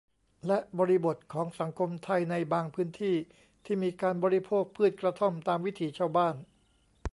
และบริบทของสังคมไทยในบางพื้นที่ ที่มีการบริโภคพืชกระท่อมตามวิถีชาวบ้าน